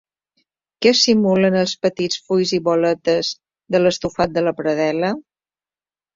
Què simulen els petits fulls i boletes de l'estofat de la predel·la?